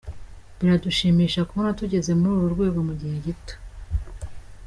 Biradushimsha kubona tugeze kuri uru rwego mu gihe gito.